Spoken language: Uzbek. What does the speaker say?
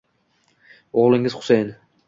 O'glingiz Husayin.